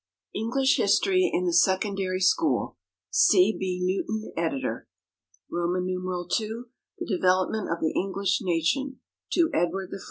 English History in the Secondary School C. B. NEWTON, Editor. II. THE DEVELOPMENT OF THE ENGLISH NATION; TO EDWARD I.